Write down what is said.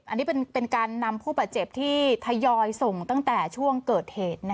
อันนี้เป็นการนำผู้บาดเจ็บที่ทยอยส่งตั้งแต่ช่วงเกิดเหตุ